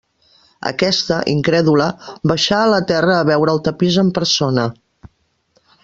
Aquesta, incrèdula, baixà a la terra a veure el tapís en persona.